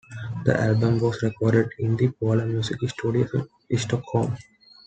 The album was recorded in the Polar Music Studios in Stockholm.